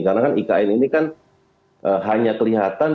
karena kan ikn ini kan hanya kelihatan